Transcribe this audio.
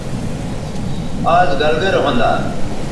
آز گَلگرے ھوندا